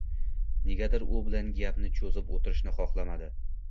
Negadir u bilan gapni cho`zib o`tirishni xahlamadi